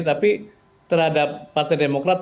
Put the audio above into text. tapi terhadap partai demokrat